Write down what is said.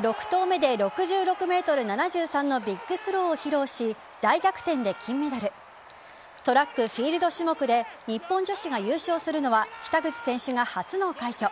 ６投目で６６ｍ７３のビッグスローを披露し大逆転で金メダル。トラック・フィールド種目で日本女子が優勝するのは北口選手が初の快挙。